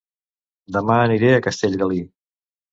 Dema aniré a Castellgalí